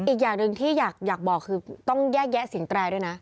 อีกอย่างหนึ่งที่อยากบอกคือต้องแยกแยะเสียงแตรด้วยนะ